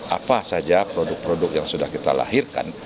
apa saja produk produk yang sudah kita lahirkan